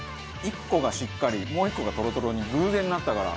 １個がしっかりもう１個がトロトロに偶然なったから。